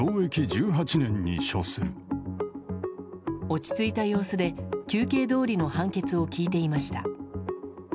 落ち着いた様子で求刑どおりの判決を聞いていました。